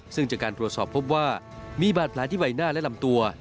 ซึ่งจากการตรวจสอบพบว่ามีบาดแผลที่ใบหน้าและลำตัว